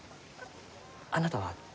あなたは？